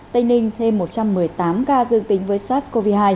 tây ninh thêm một trăm một mươi tám ca dương tính với sars cov hai